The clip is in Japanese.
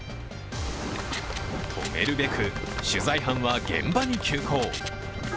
止めるべく、取材班は現場に急行。